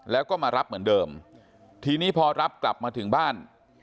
แล้วก็มารับเหมือนเดิมทีนี้พอรับกลับมาถึงบ้าน